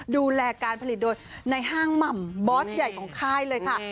ดูแลการผลิตโดยในห้างหม่ำบอสใหญ่ของค่ายเลยค่ะ